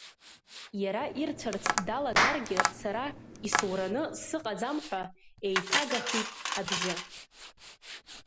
Иара ирцәарц далагаргьы, сара исураны сыҟаӡам ҳәа, еиҭагахит абжьы.